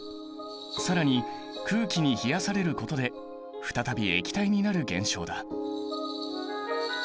更に空気に冷やされることで再び液体になる現象だ。